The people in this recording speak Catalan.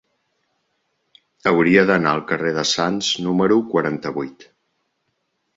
Hauria d'anar al carrer de Sants número quaranta-vuit.